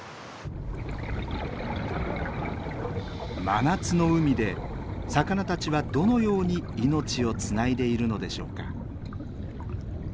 真夏の海で魚たちはどのように命をつないでいるのでしょうか？